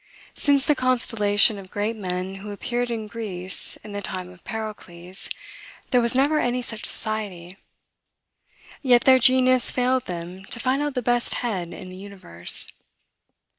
Since the constellation of great men who appeared in Greece in the time of Pericles, there was never any such society; yet their genius failed them to find out the best head in the universe.